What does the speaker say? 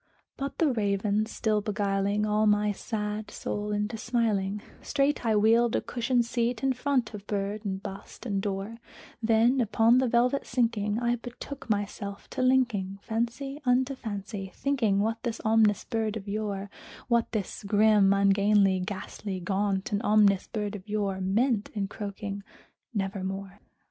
'" But the Raven still beguiling all my sad soul into smiling, Straight I wheeled a cushioned seat in front of bird and bust and door; Then, upon the velvet sinking, I betook myself to linking Fancy unto fancy, thinking what this ominous bird of yore What this grim, ungainly, ghastly, gaunt and ominous bird of yore Meant in croaking "Nevermore."